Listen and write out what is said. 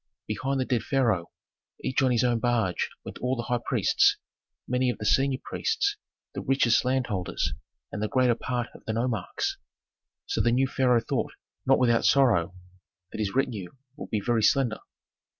Behind the dead pharaoh, each on his own barge, went all the high priests, many of the senior priests, the richest landholders, and the greater part of the nomarchs. So the new pharaoh thought, not without sorrow, that his retinue would be very slender.